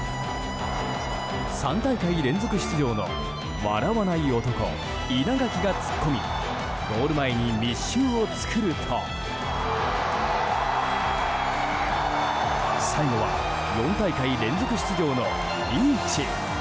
３大会連続出場の笑わない男稲垣が突っ込みゴール前に密集を作ると最後は４大会連続出場のリーチ。